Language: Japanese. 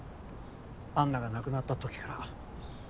安奈が亡くなった時から。